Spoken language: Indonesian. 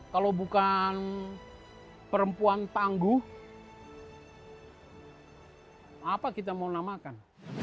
kalau bukan perempuan tangguh apa kita mau namakan